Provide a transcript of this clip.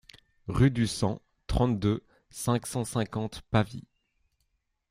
Rue du Sang, trente-deux, cinq cent cinquante Pavie